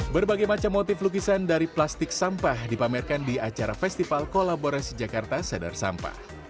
berbagai macam motif lukisan dari plastik sampah dipamerkan di acara festival kolaborasi jakarta sadar sampah